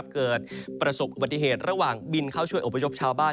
เกิดประสบอุบัติเหตุระหว่างบินเข้าช่วยอพยพชาวบ้าน